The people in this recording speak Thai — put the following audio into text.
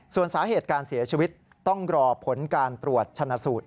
ส่วนสาเหตุการเสียชีวิตต้องรอผลการตรวจชนะสูตร